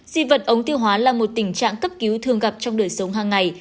di vật ống tiêu hóa là một tình trạng cấp cứu thường gặp trong đời sống hàng ngày